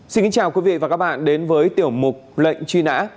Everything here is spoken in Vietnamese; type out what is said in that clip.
xin kính chào quý vị và các bạn đến với tiểu mục lệnh truy nã